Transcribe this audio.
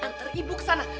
anter ibu kesana